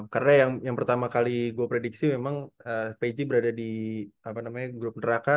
karena yang pertama kali gue prediksi memang pj berada di apa namanya group neraka